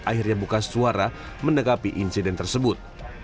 akhirnya buka suara mendekati insiden tersebut